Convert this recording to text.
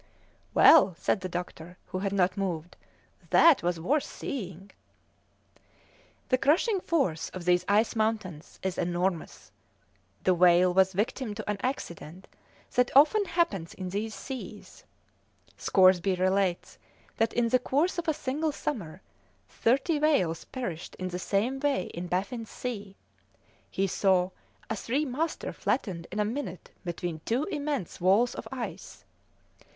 "Well," said the doctor, who had not moved, "that was worth seeing!" The crushing force of these ice mountains is enormous. The whale was victim to an accident that often happens in these seas. Scoresby relates that in the course of a single summer thirty whales perished in the same way in Baffin's Sea; he saw a three master flattened in a minute between two immense walls of ice.